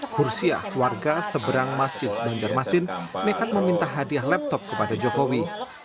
hursiah warga seberang masjid banjarmasin nekat meminta hadiah laptop kepada jokowi